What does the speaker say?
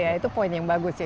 ya itu poin yang bagus ya